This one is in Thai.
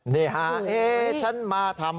นี่ฮะฉันมาทำ